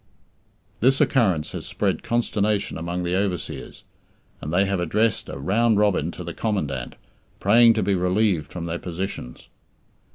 This occurrence has spread consternation among the overseers, and they have addressed a "round robin" to the Commandant, praying to be relieved from their positions.